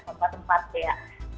tempat tempat ya